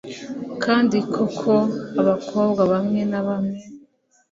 kandi koko abakobwa bamwe na bamwe